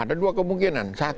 ada dua kemungkinan